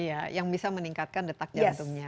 iya yang bisa meningkatkan detak jantungnya